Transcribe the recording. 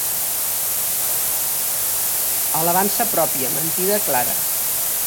Alabança pròpia, mentida clara.